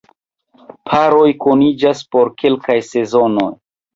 Paroj kuniĝas por kelkaj sezonoj.